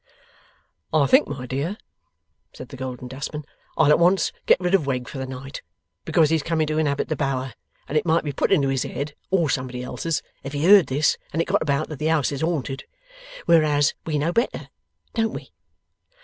'I think, my dear,' said the Golden Dustman, 'I'll at once get rid of Wegg for the night, because he's coming to inhabit the Bower, and it might be put into his head or somebody else's, if he heard this and it got about that the house is haunted. Whereas we know better. Don't we?